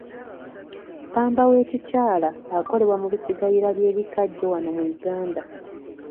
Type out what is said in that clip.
Ppamba w'ekikyala akolebwa mu bisigalira by'ebikajjo wano mu Uganda.